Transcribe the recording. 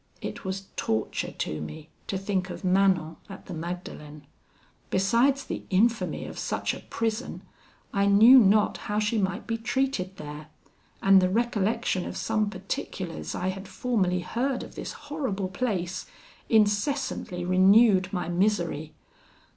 It was torture to me to think of Manon at the Magdalen. Besides the infamy of such a prison, I knew not how she might be treated there; and the recollection of some particulars I had formerly heard of this horrible place, incessantly renewed my misery.